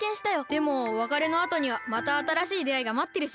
でもわかれのあとにはまたあたらしいであいがまってるしね。